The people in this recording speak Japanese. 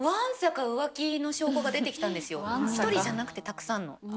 昔携帯見て１人じゃなくてたくさんの。